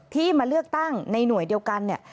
ที่มาเลือกตั้งในหน่วยเดียวกันเนี่ย